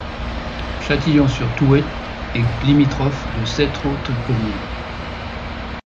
Châtillon-sur-Thouet est limitrophe de sept autres communes.